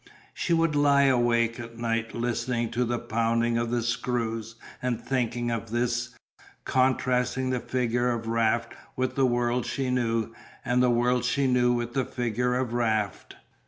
She would lie awake at night listening to the pounding of the screws and thinking of this contrasting the figure of Raft with the world she knew and the world she knew with the figure of Raft.